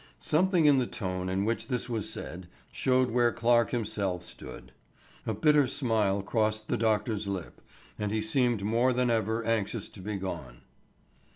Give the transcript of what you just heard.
Something in the tone in which this was said showed where Clarke himself stood. A bitter smile crossed the doctor's lip, and he seemed more than ever anxious to be gone.